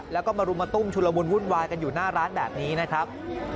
แล้วก็มารุมมาตุ้มชุลมุนวุ่นวายกันอยู่หน้าร้านแบบนี้นะครับ